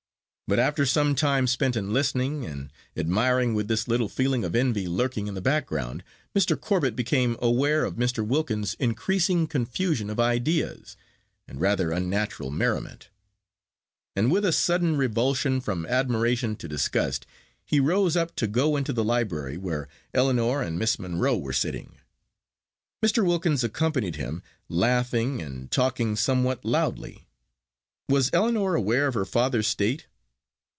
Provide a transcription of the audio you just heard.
But after some time spent in listening, and admiring, with this little feeling of envy lurking in the background, Mr. Corbet became aware of Mr. Wilkins's increasing confusion of ideas, and rather unnatural merriment; and, with a sudden revulsion from admiration to disgust, he rose up to go into the library, where Ellinor and Miss Monro were sitting. Mr. Wilkins accompanied him, laughing and talking somewhat loudly. Was Ellinor aware of her father's state?